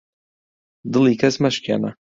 دڵی کەس مەشکێنە